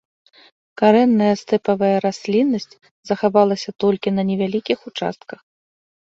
Карэнная стэпавая расліннасць захавалася толькі на невялікіх участках.